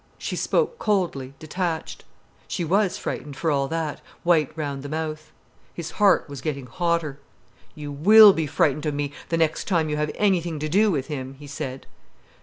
She spoke coldly, detached. She was frightened, for all that, white round the mouth. His heart was getting hotter. "You will be frightened of me, the next time you have anything to do with him," he said.